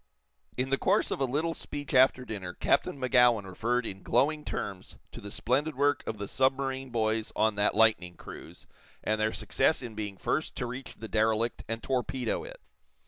In the course of a little speech after dinner Captain Magowan referred in glowing terms to the splendid work of the submarine boys on that Lightning Cruise, and their success in being first to reach the derelict and torpedo it.